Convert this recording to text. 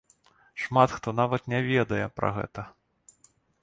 Шмат хто нават не ведае пра гэта.